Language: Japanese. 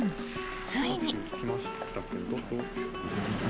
ついに。